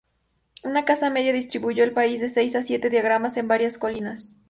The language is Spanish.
Una casa media distribuyó el país de seis a siete diagramas en varias colinas.